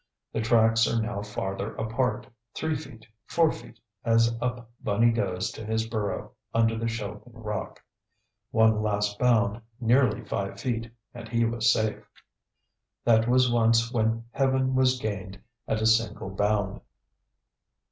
The tracks are now farther apart, three feet, four feet, as up bunny goes to his burrow under the shelving rock. One last bound, nearly five feet, and he was safe. That was once when "heaven was gained at a single bound."